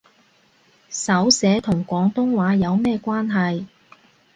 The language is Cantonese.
手寫同廣東話有咩關係